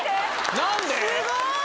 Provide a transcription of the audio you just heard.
何で？